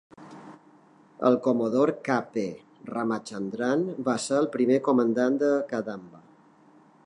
El comodor K. P. Ramachandran va ser el primer comandant de "Kadamba".